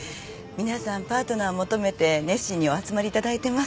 皆さんパートナーを求めて熱心にお集まり頂いてます。